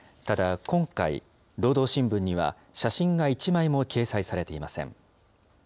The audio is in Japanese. ただ、今回、労働新聞には、写真が１枚も掲載されていません。